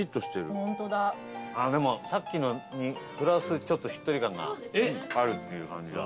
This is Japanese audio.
東山：でも、さっきのに、プラスちょっと、しっとり感があるっていう感じだ。